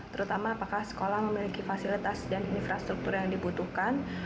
terutama apakah sekolah memiliki fasilitas dan infrastruktur yang dibutuhkan